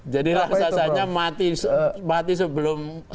jadi raksasanya mati sebelum perang